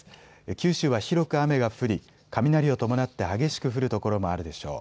九州は広く雨が降り、雷を伴って激しく降る所もあるでしょう。